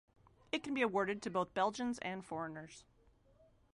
It can be awarded to both Belgians and foreigners.